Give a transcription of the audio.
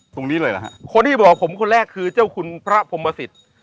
ตรงนี้เลยล่ะครับคนที่บอกผมคนแรกคือเจ้าคุณพระพรมสิทธิ์